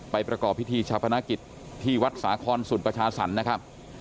ไปประกอบพิธีชับประณะกิดที่วัดสาคอนสุดประชาศัลนะครับ